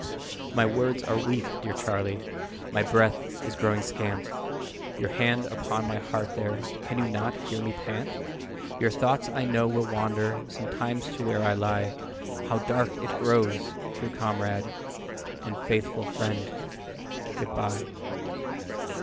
"My words are weak, dear Charlie, My breath is growing scant; Your hand upon my heart there, Can you not hear me pant? Your thoughts I know will wander Sometimes to where I lie How dark it grows! True comrade And faithful friend, good by!"